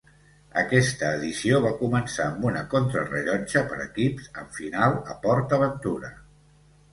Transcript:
Aquesta edició va començar amb una contrarellotge per equips amb final a Port Aventura.